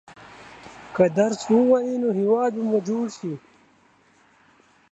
که درس ووايئ نو هېواد به مو جوړ شي.